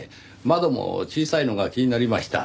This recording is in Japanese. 窓も小さいのが気になりました。